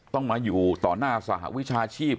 ต้องมาอยู่ต่อหน้าสหวิชาชีพ